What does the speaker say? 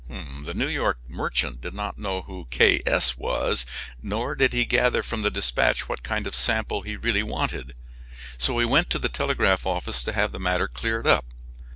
The New York merchant did not know who K. S. was, nor did he gather from the dispatch what kind of sample he wanted. So he went to the telegraph office to have the matter cleared up.